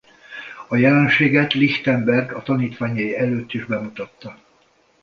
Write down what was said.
A jelenséget Lichtenberg a tanítványai előtt is bemutatta.